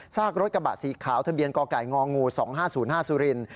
รถกระบะสีขาวทะเบียนกไก่ง๒๕๐๕สุรินทร์